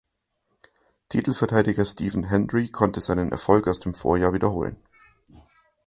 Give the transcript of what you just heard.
Titelverteidiger Stephen Hendry konnte seinen Erfolg aus dem Vorjahr wiederholen.